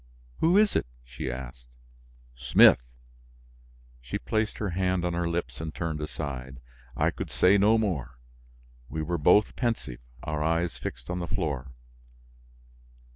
"Who is it?" she asked. "Smith." She placed her hand on her lips and turned aside. I could say no more; we were both pensive, our eyes fixed on the floor.